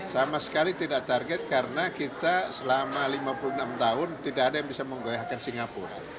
sama sekali tidak target karena kita selama lima puluh enam tahun tidak ada yang bisa menggoyahkan singapura